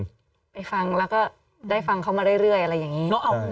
ไปฟังแล้วก็ได้ฟังเขามาเรื่อยอะไรอย่างนี้